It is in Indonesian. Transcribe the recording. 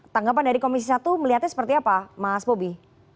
tanggapan dari komisi satu melihatnya seperti apa mas bobi